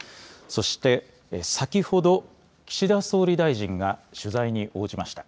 そして、先ほど岸田総理大臣が取材に応じました。